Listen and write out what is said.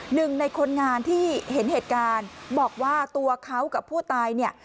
หนึ่งในคนงานที่เห็นเหตุการณ์บอกว่าตัวเขากับผู้ตายเนี่ย